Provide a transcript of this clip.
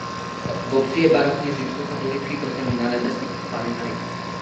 V obci je barokní římskokatolický kostel Nanebevzetí Panny Marie.